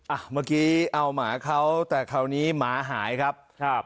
เมื่อกี้เอาหมาเขาแต่คราวนี้หมาหายครับครับ